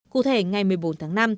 cụ thể ngày một mươi bốn tháng năm